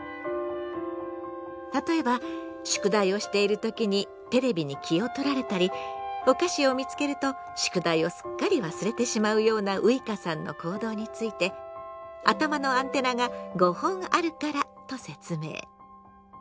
例えば宿題をしているときにテレビに気をとられたりお菓子を見つけると宿題をすっかり忘れてしまうようなういかさんの行動について「頭のアンテナが５本あるから」と説明。